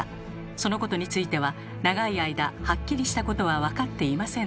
そのことについては長い間はっきりしたことは分かっていませんでした。